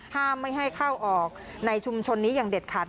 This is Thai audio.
ห้ามไม่ให้เข้าออกในชุมชนนี้อย่างเด็ดขาด